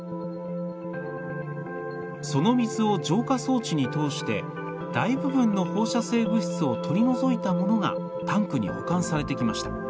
その水を浄化装置に通して大部分の放射性物質を取り除いたものがタンクに保管されてきました。